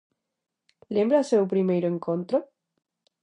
Lembra o seu primeiro encontro?